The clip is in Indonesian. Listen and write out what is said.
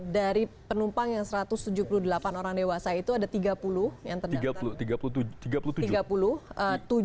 dari penumpang yang satu ratus tujuh puluh delapan orang dewasa itu ada tiga puluh yang terdapat